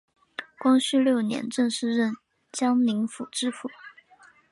光绪六年正式任江宁府知府。